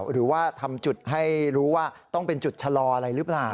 หรือว่าทำจุดให้รู้ว่าต้องเป็นจุดชะลออะไรหรือเปล่า